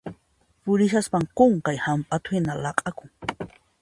Purishaspan qunqay hamp'atu hina laq'akun.